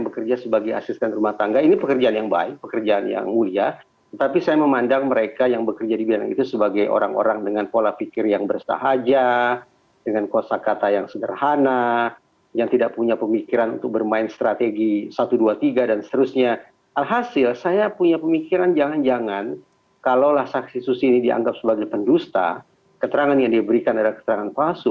kalau bagi pendusta keterangan yang diberikan adalah keterangan palsu